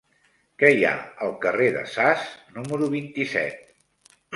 Què hi ha al carrer de Sas número vint-i-set?